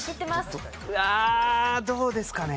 うわどうですかね。